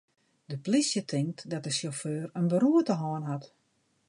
De plysje tinkt dat de sjauffeur in beroerte hân hat.